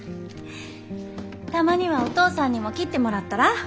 たまにはお父さんにも切ってもらったら？